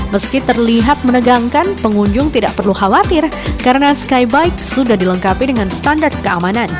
meski terlihat menegangkan pengunjung tidak perlu khawatir karena skybike sudah dilengkapi dengan standar keamanan